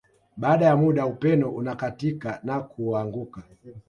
Baada ya muda upeno unakatika na kuanguka